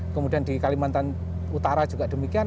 kemudian di kalimantan utara juga demikian